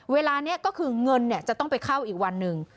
เวลานี้ก็คือเงินจะต้องไปเข้าอีกวันหนึ่ง